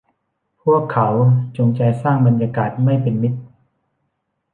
พวกเขาจงใจสร้างบรรยากาศไม่เป็นมิตร